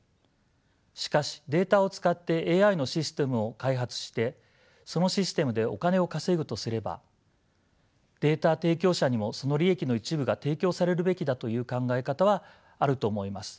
しかしデータを使ってＡＩのシステムを開発してそのシステムでお金を稼ぐとすればデータ提供者にもその利益の一部が提供されるべきだという考え方はあると思います。